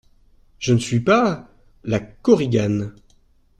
Je ne suis pas …? LA KORIGANE.